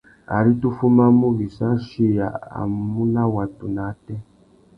Ari tu fumamú, wissú achiya a mù nà watu nà ātê.